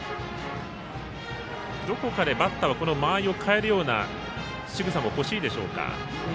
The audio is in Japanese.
どこかでこのバッターが間合いを変えるようなしぐさも欲しいでしょうか。